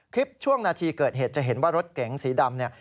คลิปช่วงนาทีเกิดเหตุจะเห็นว่ารถเก๋งสีดำ